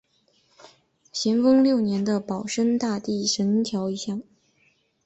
咸丰六年的保生大帝神轿一顶。